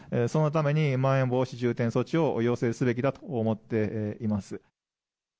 そのために、まん延防止重点措置を要請すべきだと思っています。